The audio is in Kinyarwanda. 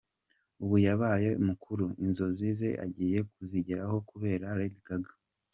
Ubu yabaye mukuru, inzozi ze agiye kuzigeraho kubera Lady Gaga!.